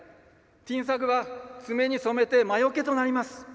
てぃんさぐは爪に染めて魔よけとなります。